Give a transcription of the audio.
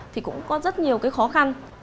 thì cũng có rất nhiều cái khó khăn